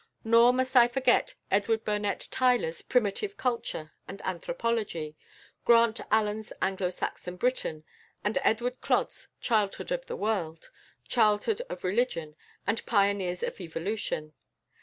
Nor must I forget Edward Burnett Tylor's "Primitive Culture" and "Anthropology," Grant Allen's "Anglo Saxon Britain," and Edward Clodd's "Childhood of the World," "Childhood of Religion," and "Pioneers of Evolution."